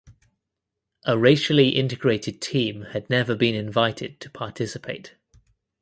A racially integrated team had never been invited to participate.